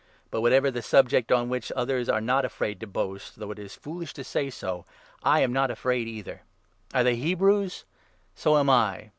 But whatever the subject on which others are not afraid to boast — though it is foolish to say so — I am not afraid either ! Are they Hebrews ? So am I